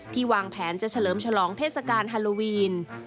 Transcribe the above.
วางแผนจะเฉลิมฉลองเทศกาลฮาโลวีน